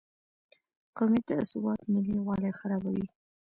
قومي تعصبات ملي یووالي خرابوي.